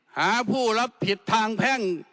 หาผู้รับผิดทางแพ่ง